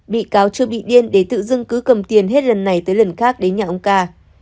bị cáo chưa bị điên để tự dưng cứ cầm tiền hết lần này tới lần khác đến nhà ông ca